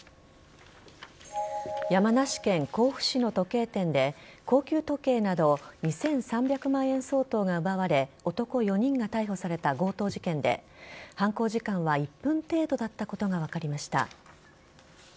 山梨県甲府市の時計店で高級時計など２３００万円相当が奪われ男４人が逮捕された強盗事件で犯行時間は１分程度だったことが分かりました。